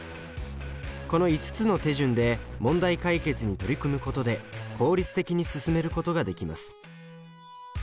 この５つの手順で問題解決に取り組むことで効率的に進めることができます。